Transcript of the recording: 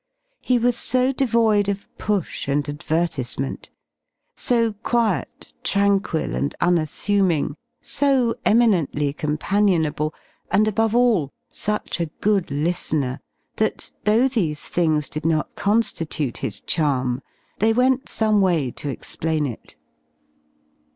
He was so devoid of push '^ and advertisement, so quiet, tranquil, and unassuming, so \ eminently companionable, and above all, such a good lilfener, J that, though these things did not constitute his charm, they went some way to explain it.